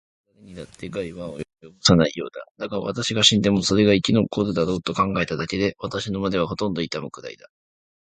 それはだれにだって害は及ぼさないようだ。だが、私が死んでもそれが生き残るだろうと考えただけで、私の胸はほとんど痛むくらいだ。